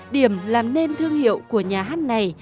điểm làm nên thương hiệu của nhà hát này